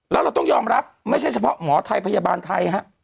แล้วเราต้องยอมรับไม่ใช่เฉพาะหมอไทยพยาบาลไทยฮะ